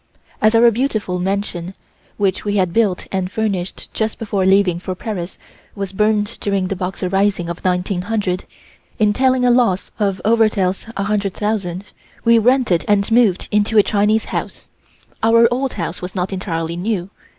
As our beautiful mansion, which we had built and furnished just before leaving for Paris, was burned during the Boxer Rising of 1900, entailing a loss of over taels 100,000, we rented and moved into a Chinese house. Our old house was not entirely new.